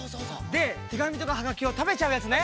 でてがみとかはがきをたべちゃうやつね。